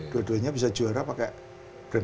dua duanya bisa juara pakai brand